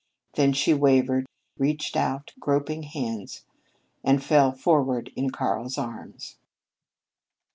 Then she wavered, reached out groping hands, and fell forward in Karl's arms.